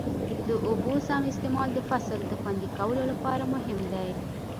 د اوبو سم استعمال د فصل د خوندي کولو لپاره مهم دی.